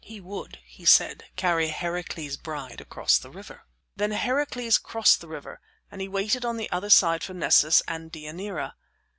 He would, he said, carry Heracles's bride across the river. Then Heracles crossed the river, and he waited on the other side for Nessus and Deianira.